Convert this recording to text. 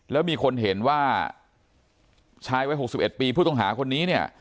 แล้วมีคนเห็นว่าชายวัย๖๑ปีผู้ต้องหาคนนี้เนี่ย